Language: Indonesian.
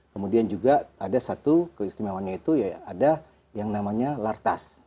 kemudian juga ada satu keistimewaannya itu ya ada yang namanya lartas